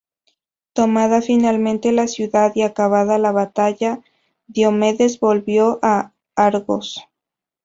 Tomada finalmente la ciudad y acabada la batalla, Diomedes volvió a Argos.